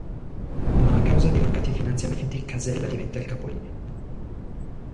Ma a causa dei mancati finanziamenti Casella diventa il capolinea.